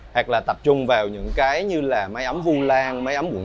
hoặc là tập trung vào những cái như là máy ấm vu lan máy ấm quận tám